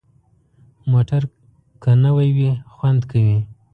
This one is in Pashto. موټر که نوي وي، خوند کوي.